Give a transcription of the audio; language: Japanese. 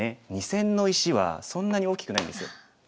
２線の石はそんなに大きくないんですよ。